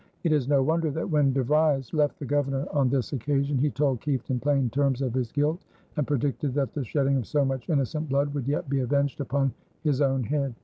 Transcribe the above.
It is no wonder that when De Vries left the Governor on this occasion, he told Kieft in plain terms of his guilt and predicted that the shedding of so much innocent blood would yet be avenged upon his own head.